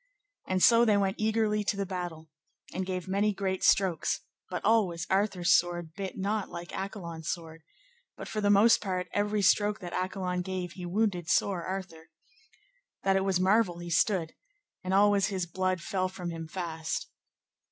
And so they went eagerly to the battle, and gave many great strokes, but always Arthur's sword bit not like Accolon's sword; but for the most part, every stroke that Accolon gave he wounded sore Arthur, that it was marvel he stood, and always his blood fell from him fast.